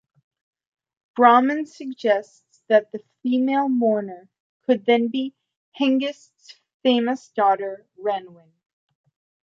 Bouman suggests that the female mourner could then be Hengist's famous daughter Renwein.